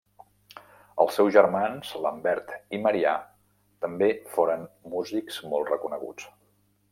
Els seus germans Lambert i Marià també foren músics molt reconeguts.